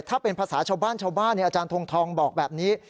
ถ้าเป็นภาษาชาวบ้านชาวบ้านอาจารย์ทงทองบอกแบบนี้